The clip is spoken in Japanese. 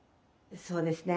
そうですね。